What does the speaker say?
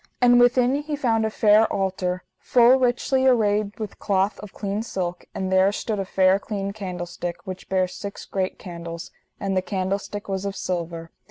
And within he found a fair altar, full richly arrayed with cloth of clean silk, and there stood a fair clean candlestick, which bare six great candles, and the candlestick was of silver.